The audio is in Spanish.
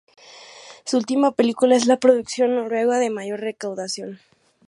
Su última película es la producción noruega de mayor recaudación.